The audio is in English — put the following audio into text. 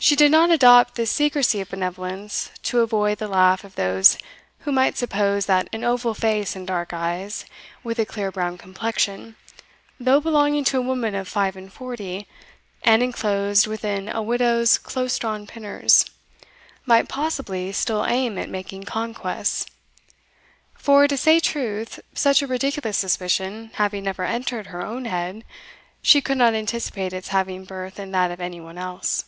She did not adopt this secrecy of benevolence to avoid the laugh of those who might suppose that an oval face and dark eyes, with a clear brown complexion, though belonging to a woman of five and forty, and enclosed within a widow's close drawn pinners, might possibly still aim at making conquests; for, to say truth, such a ridiculous suspicion having never entered into her own head, she could not anticipate its having birth in that of any one else.